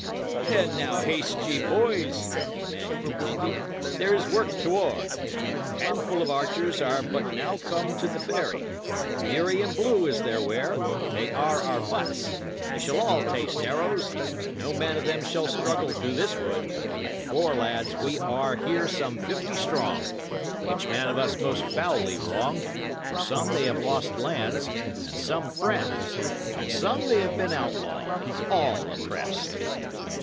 "And now haste ye, boys," the man continued. "There is work toward. A handful of archers are but now come to the ferry; murrey and blue is their wear; they are our butts they shall all taste arrows no man of them shall struggle through this wood. For, lads, we are here some fifty strong, each man of us most foully wronged; for some they have lost lands, and some friends; and some they have been outlawed all oppressed!